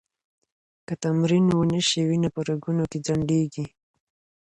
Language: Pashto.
که تمرین ونه شي، وینه په رګونو کې ځنډېږي.